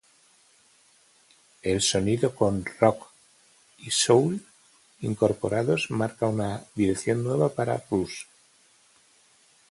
El sonido con "rock" y "soul" incorporados marca una dirección nueva para Rush.